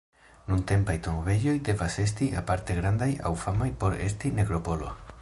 Nuntempaj tombejoj devas esti aparte grandaj aŭ famaj por esti "nekropolo".